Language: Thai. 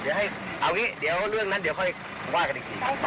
เดี๋ยวให้เอางี้เดี๋ยวเรื่องนั้นเดี๋ยวค่อยว่ากันอีกที